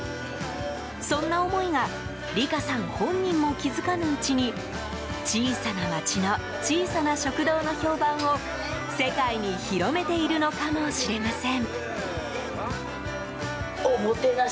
そんな思いが理佳さん本人も気づかぬうちに小さな町の小さな食堂の評判を世界に広めているのかもしれません。